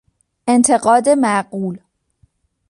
انتقاد معقول